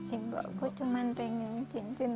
ibu aku cuma ingin cincin